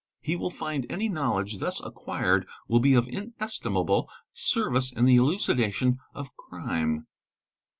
He will find any knowledge thus acquired will be of ines imable service in the elucidation of crime.